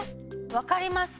分かります！